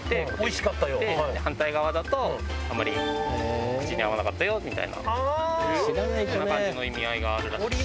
反対側だと「あまり口に合わなかったよ」みたいなそんな感じの意味合いがあるらしい。